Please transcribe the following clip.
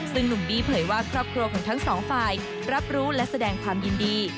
ซึ่งหนุ่มบี้เผยว่าครอบครัวของทั้งสองฝ่ายรับรู้และแสดงความยินดี